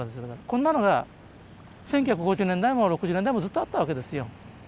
こんなのが１９５０年代も６０年代もずっとあったわけですよ。